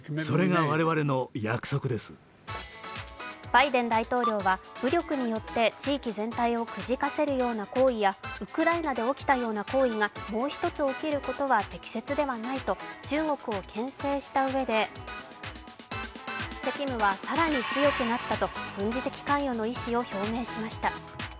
バイデン大統領は、武力によって地域全体をくじかせるような行為や、ウクライナで起きたような行為がもう一つ起きることは適切ではないと中国をけん制したうえで責務は更に強くなったと軍事的関与の意思を表明しました。